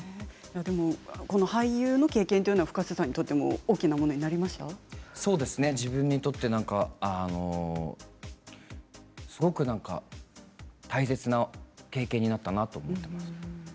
俳優の経験はＦｕｋａｓｅさんにとっても自分にとってもすごく何か大切な経験になったなと思っています。